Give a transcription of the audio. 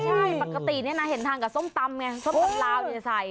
ใช่ปกติเนี่ยนะเห็นทานกับส้มตำไงส้มตำลาวเนี่ยใส่